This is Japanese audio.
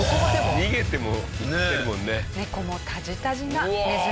逃げてもいってるもんね。